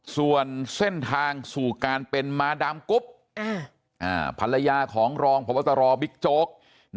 ส่วนเส้นทางสู่การเป็นมาดามกรุ๊บภรรยาของรองพบตรบิ๊กโจ๊ก